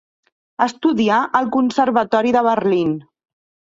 Estudià al Conservatori de Berlín.